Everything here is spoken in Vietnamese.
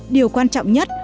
điều quan trọng nhất